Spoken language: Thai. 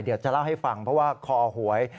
เดี๋ยวจะเล่าให้ฟังเพราะว่าคอหวย